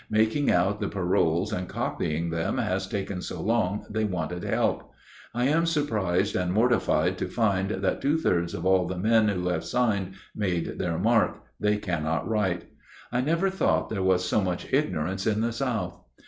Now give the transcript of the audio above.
Making out the paroles and copying them has taken so long they wanted help. I am surprised and mortified to find that two thirds of all the men who have signed made their mark; they cannot write. I never thought there was so much ignorance in the South.